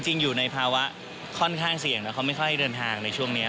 จริงอยู่ในภาวะค่อนข้างเสี่ยงแล้วเขาไม่ค่อยเดินทางในช่วงนี้